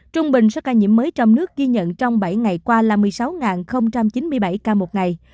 trung bình số ca nhiễm mới trong nước ghi nhận trong bảy ngày qua là một mươi sáu chín mươi bảy ca một ngày